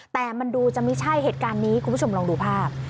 แต่มันดูจะไม่ใช่เหตุการณ์นี้คุณผู้ชมลองดูภาพ